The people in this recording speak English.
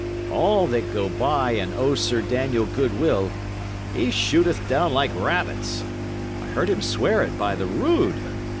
All that go by and owe Sir Daniel goodwill, he shooteth down like rabbits. I heard him swear it by the rood.